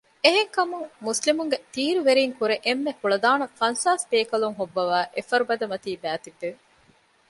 އެހެންކަމުން މުސްލިމުންގެ ތީރުވެރީންކުރެ އެންމެ ކުޅަދާނަ ފަންސާސް ބޭކަލުން ހޮއްވަވައި އެފަރުބަދަމަތީގައި ބައިތިއްބެވި